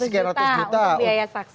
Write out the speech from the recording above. lima ratus juta untuk biaya saksi